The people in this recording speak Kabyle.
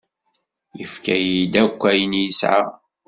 Yefka-yi-d akk ayen i yesɛa.